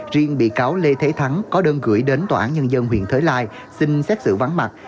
riêng bị cáo lê thế thắng có đơn gửi đến tòa án nhân dân huyện thới lai xin xét xử vắng mặt